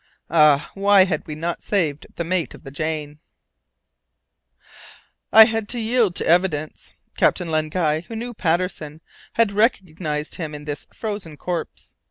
Ah! why had we not saved the mate of the Jane! I had to yield to evidence. Captain Len Guy, who knew Patterson, had recognized him in this frozen corpse!